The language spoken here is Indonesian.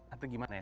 atau gimana ya